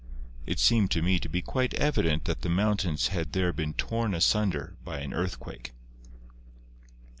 It seemed to me to be quite evident that the mountains had there been torn asunder by an earthquake."